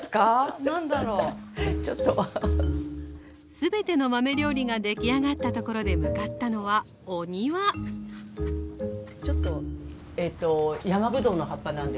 全ての豆料理が出来上がったところで向かったのはお庭ちょっとやまぶどうの葉っぱなんですね。